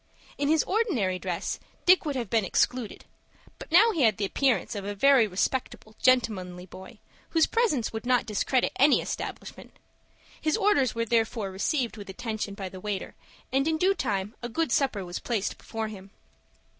In his ordinary dress, Dick would have been excluded, but now he had the appearance of a very respectable, gentlemanly boy, whose presence would not discredit any establishment. His orders were therefore received with attention by the waiter and in due time a good supper was placed before him.